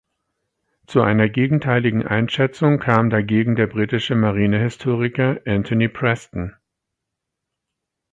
Zu einer gegenteiligen Einschätzung kam dagegen der britische Marinehistoriker Antony Preston.